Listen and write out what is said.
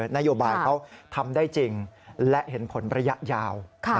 นโยบายเขาทำได้จริงและเห็นผลระยะยาว